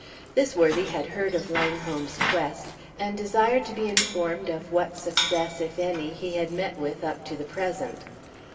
This worthy had heard of Langholm's quest, and desired to be informed of what success, if any, he had met with up to the present.